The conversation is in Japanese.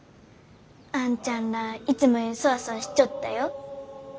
あんちゃんらあいつもよりそわそわしちょったよ。